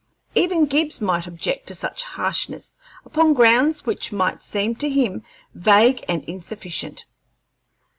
Even Gibbs might object to such harshness upon grounds which might seem to him vague and insufficient.